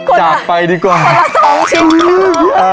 จากไปดีกว่า